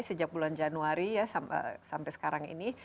sejak bulan januari ya sampai sekarang ini